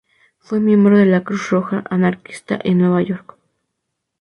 Fue miembro de la Cruz Roja Anarquista en Nueva York.